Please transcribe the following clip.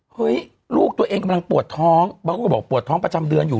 เฮ้ยลูกตัวเองกำลังปวดท้องบางคนก็บอกปวดท้องประจำเดือนอยู่